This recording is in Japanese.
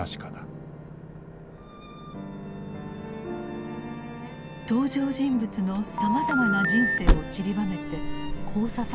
登場人物のさまざまな人生をちりばめて交差させようとした「深い河」。